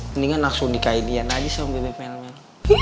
mendingan langsung nikahin dian aja so bebe mel mel